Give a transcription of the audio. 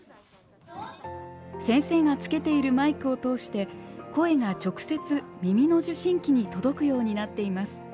先生がつけているマイクを通して声が直接耳の受信機に届くようになっています。